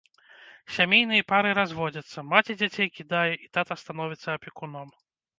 Сямейныя пары разводзяцца, маці дзяцей кідае і тата становіцца апекуном.